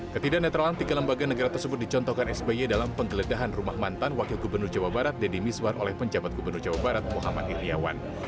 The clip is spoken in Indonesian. ketidak netralan tiga lembaga negara tersebut dicontohkan sby dalam penggeledahan rumah mantan wakil gubernur jawa barat deddy miswar oleh penjabat gubernur jawa barat muhammad iryawan